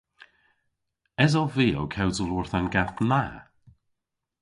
Esov vy ow kewsel orth an gath na?